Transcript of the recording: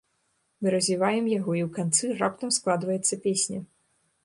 Мы развіваем яго і ў канцы раптам складваецца песня.